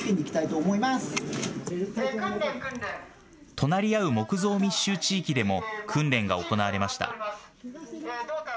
隣り合う木造密集地域でも訓練が行われました。